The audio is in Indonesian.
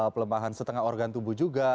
pelemahan setengah organ tubuh juga